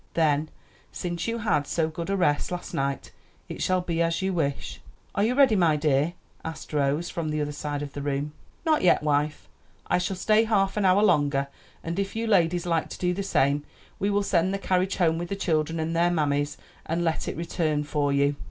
"Then, since you had so good a rest last night, it shall be as you wish." "Are you ready, my dear?" asked Rose, from the other side of the room. "Not yet, wife; I shall stay half an hour longer, and if you ladies like to do the same we will send the carriage home with the children and their mammies, and let it return for you."